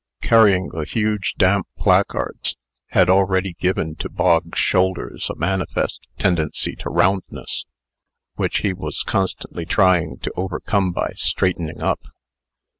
Carrying the huge damp placards, had already given to Bog's shoulders a manifest tendency to roundness, which he was constantly trying to overcome by straightening up.